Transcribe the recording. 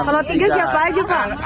kalau tiga siapa aja kang